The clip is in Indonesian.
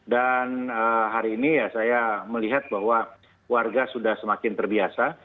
dan hari ini saya melihat bahwa warga sudah semakin terbiasa